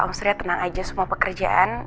om seria tenang aja semua pekerjaan